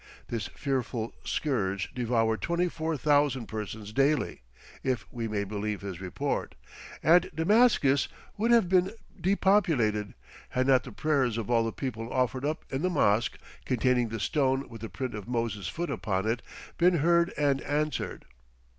This fearful scourge devoured "24,000 persons daily," if we may believe his report, and Damascus would have been depopulated, had not the prayers of all the people offered up in the mosque containing the stone with the print of Moses' foot upon it, been heard and answered.